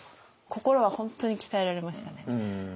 心は本当に鍛えられましたね。